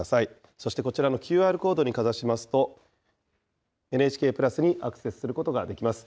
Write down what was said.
そしてこちらのＱＲコードにかざしますと、ＮＨＫプラスにアクセスすることができます。